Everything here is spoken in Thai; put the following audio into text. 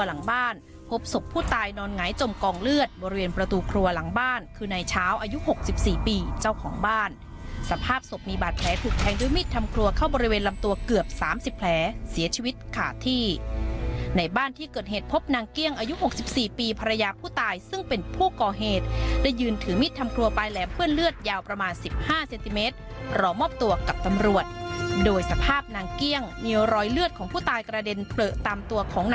หลังบ้านคือในเช้าอายุ๖๔ปีเจ้าของบ้านสภาพศพมีบาดแผลถูกแทงด้วยมิดทำครัวเข้าบริเวณลำตัวเกือบ๓๐แผลเสียชีวิตขาดที่ในบ้านที่เกิดเหตุพบนางเกี่ยงอายุ๖๔ปีภรรยาผู้ตายซึ่งเป็นผู้ก่อเหตุได้ยืนถือมิดทำครัวไปแล้วเพื่อนเลือดยาวประมาณ๑๕เซนติเมตรรอมอบตัวกับตำรวจโดยสภาพน